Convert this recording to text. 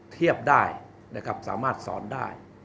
เทียบได้นะครับสามารถสอนได้